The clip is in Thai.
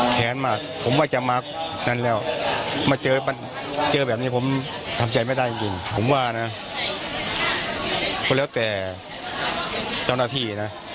ใครคิดดูเอะอย่างงี้